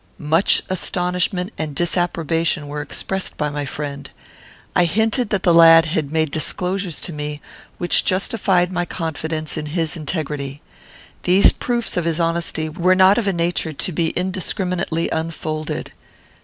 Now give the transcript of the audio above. Much astonishment and disapprobation were expressed by my friend. I hinted that the lad had made disclosures to me, which justified my confidence in his integrity. These proofs of his honesty were not of a nature to be indiscriminately unfolded.